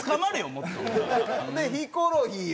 もっと。でヒコロヒーよ。